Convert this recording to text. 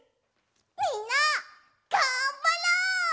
みんながんばろう！